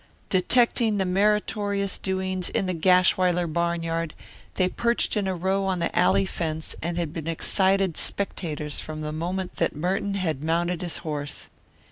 Detecting the meritorious doings in the Gashwiler barnyard, they perched in a row on the alley fence and had been excited spectators from the moment that Merton had mounted his horse.